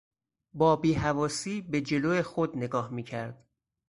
با بیحواسی به جلو خود نگاه میکرد.